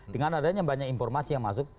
dengan adanya banyak informasi yang masuk